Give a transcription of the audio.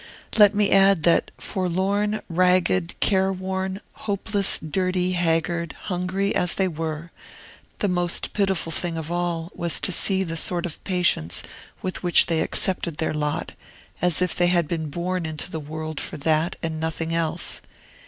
Let me add, that, forlorn, ragged, careworn, hopeless, dirty, haggard, hungry, as they were, the most pitiful thing of all was to see the sort of patience with which they accepted their lot, as if they had been born into the world for that and nothing else.